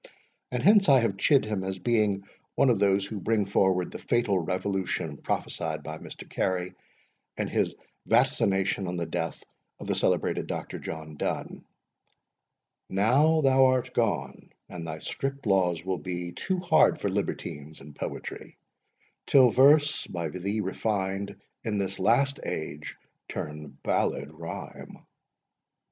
And hence I have chid him as being one of those who bring forward the fatal revolution prophesied by Mr. Robert Carey, in his Vaticination on the Death of the celebrated Dr. John Donne: Now thou art gone, and thy strict laws will be Too hard for libertines in poetry; Till verse (by thee refined) in this last age Turn ballad rhyme.